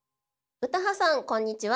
・詩羽さんこんにちは。